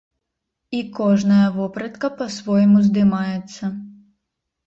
І кожная вопратка па-свойму здымаецца.